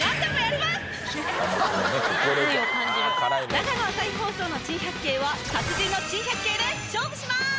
長野朝日放送の珍百景は達人の珍百景で勝負します！